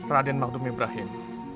raden makhdum ibrahim